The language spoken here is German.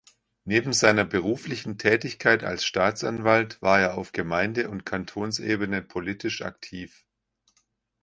Neben seiner beruflichen Tätigkeit als Staatsanwalt war er auf Gemeinde- und Kantonsebene politisch aktiv.